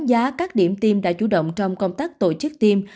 khán giả các điểm tiêm đã chủ động trong công tác tổ chức tiêm